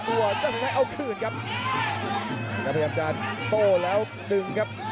กระโดยสิ้งเล็กนี่ออกกันขาสันเหมือนกันครับ